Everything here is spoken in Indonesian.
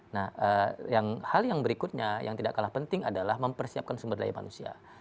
nah hal yang berikutnya yang tidak kalah penting adalah mempersiapkan sumber daya manusia